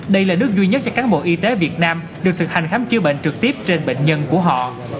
đây là nước duy nhất cho cán bộ y tế việt nam được thực hành khám chữa bệnh trực tiếp trên bệnh nhân của họ